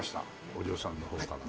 お嬢さんのほうから。